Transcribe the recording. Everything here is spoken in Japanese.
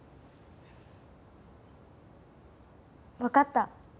「わかった。